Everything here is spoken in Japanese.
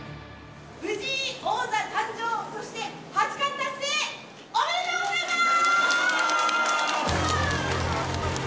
藤井王座誕生、そして、八冠達成、おめでとうございます！